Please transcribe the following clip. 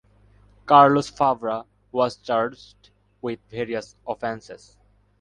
Carlos Fabra was charged with various offences.